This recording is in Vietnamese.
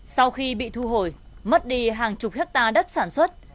sau khi bị thu hồi mất đi hàng chục hectare đất sản xuất